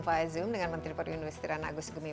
via zoom dengan menteri periwisataan agus gumi